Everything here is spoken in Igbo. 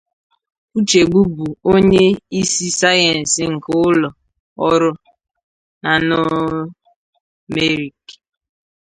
Uchegbu bụ onye isi sayensị nke ụlọ ọrụ "Nanomerik".